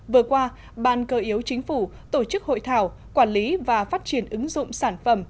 vừa qua ban cơ yếu chính phủ tổ chức hội thảo quản lý và phát triển ứng dụng sản phẩm